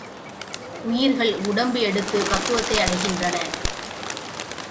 உயிர்கள் உடம்பு எடுத்துப் பக்குவத்தை அடைகின்றன.